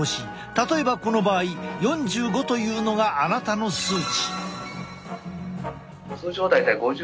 例えばこの場合４５というのがあなたの数値。